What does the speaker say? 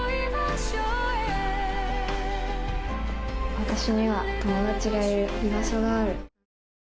私は今、友達がいる居場所がある。